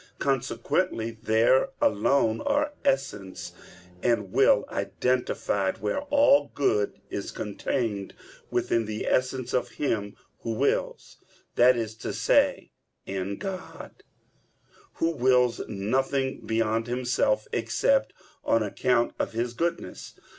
Consequently there alone are essence and will identified where all good is contained within the essence of him who wills; that is to say, in God, Who wills nothing beyond Himself except on account of His goodness.